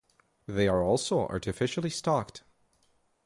They are also artificially stocked.